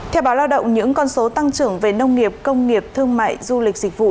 theo báo lao động những con số tăng trưởng về nông nghiệp công nghiệp thương mại du lịch dịch vụ